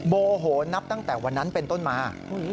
โมโหนับตั้งแต่วันนั้นเป็นต้นมา